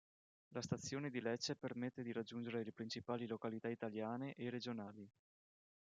La stazione di Lecce permette di raggiungere le principali località italiane e regionali.